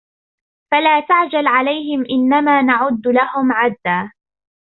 فَلَا تَعْجَلْ عَلَيْهِمْ إِنَّمَا نَعُدُّ لَهُمْ عَدًّا